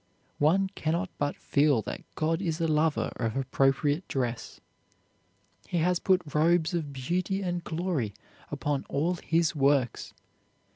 One can not but feel that God is a lover of appropriate dress. He has put robes of beauty and glory upon all His works.